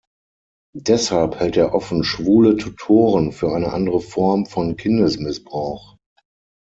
Deshalb hält er offen schwule Tutoren für eine andere Form von Kindesmissbrauch.